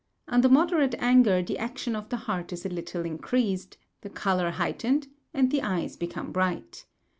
Under moderate anger the action of the heart is a little increased, the colour heightened, and the eyes become bright.